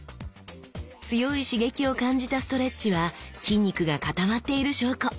強い刺激を感じたストレッチは筋肉がかたまっている証拠！